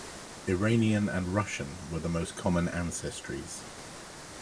Iranian and Russian were the most common ancestries.